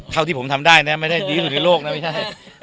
ที่ผมทำได้นะไม่ได้ดีที่สุดในโลกนะไม่ใช่